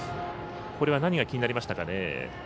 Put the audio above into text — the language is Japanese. これは何が気になりましたかね。